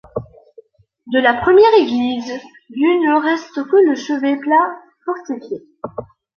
De la première église du ne reste que le chevet plat fortifié.